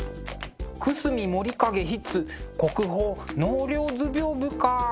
久隅守景筆国宝「納涼図屏風」か。